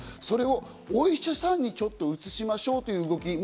それをお医者さんにちょっと移しましょうという動き。